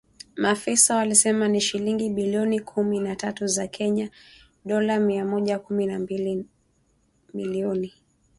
Maafisa walisema ni shilingi bilioni kumi na tatu za Kenya (dolla mia moja kumi na mbili milioni).